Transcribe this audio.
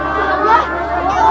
bangun mas bangun